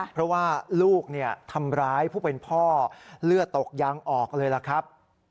เพราะว่าลูกทำร้ายผู้เป็นพ่อเลือดตกยางออกเลยล่ะครับ